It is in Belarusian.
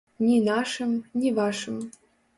Ні нашым, ні вашым.